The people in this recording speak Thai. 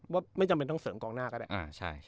ไม่จำเป็นต้องเสริมกองหน้าก็ได้